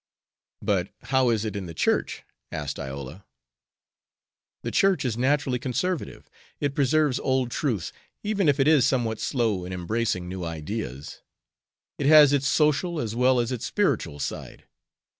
"But how is it in the Church?" asked Iola. "The Church is naturally conservative. It preserves old truths, even if it is somewhat slow in embracing new ideas. It has its social as well as its spiritual side.